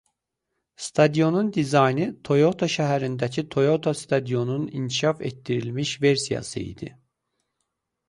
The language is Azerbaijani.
Stadionun dizaynı Toyota şəhərindəki Toyota Stadionunun inkişaf etdirilmiş versiyası idi.